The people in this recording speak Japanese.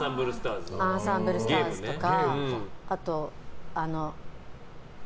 「アンサンブルスターズ」とか。